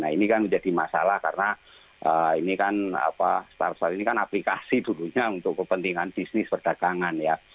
nah ini kan menjadi masalah karena ini kan startup ini kan aplikasi dulunya untuk kepentingan bisnis perdagangan ya